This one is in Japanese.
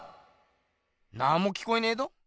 なんも聞こえねえぞ。